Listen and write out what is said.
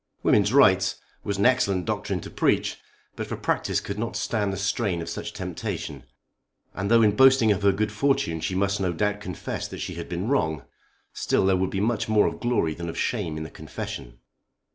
Women's rights was an excellent doctrine to preach, but for practice could not stand the strain of such temptation. And though in boasting of her good fortune she must no doubt confess that she had been wrong, still there would be much more of glory than of shame in the confession.